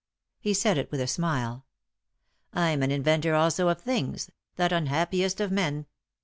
He said it with a smile. "I'm an inventor also of things — that unhappiest of men.